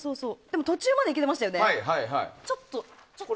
途中まではいけてましたよね。